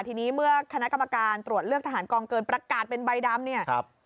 ทีนี้เมื่อคณะกรรมการตรวจเลือกทหารกองเกินประกาศเป็นใบดำเนี่ย